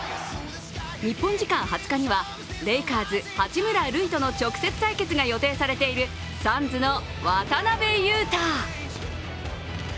日本時間２０日にはレイカーズ、八村塁との直接対決が予定されているサンズの渡邊雄太。